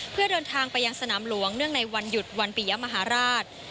เพื่อเดินทางไปยังสนามหลวงเนื่องในวันหยุดวันปียมหาราช